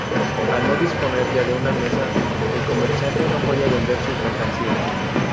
Al no disponer ya de una mesa el comerciante no podía vender sus mercancías.